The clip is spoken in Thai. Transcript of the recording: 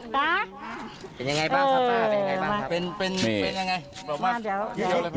ถามแล้วขอบคุณครับ